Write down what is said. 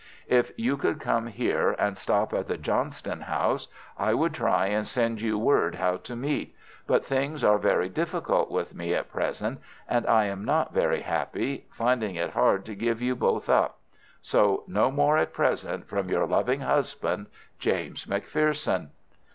If you could come here and stop at the Johnston House I would try and send you word how to meet, but things are very difficult with me at present, and I am not very happy, finding it hard to give you both up. So no more at present, from your loving husband, "JAMES MCPHERSON."